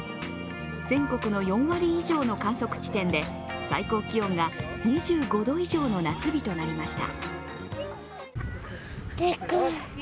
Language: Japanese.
全国の４割以上の観測地点で最高気温が２５度以上の夏日となりました。